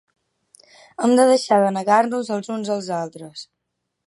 Hem de deixar de negar-nos els uns als altres.